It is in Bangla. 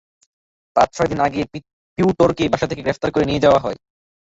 পাঁচ-ছয় দিন আগে পিওটরকে বাসা থেকে গ্রেপ্তার করে নিয়ে যাওয়া হয়।